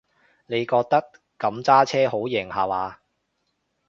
你覺得噉揸車好型下話？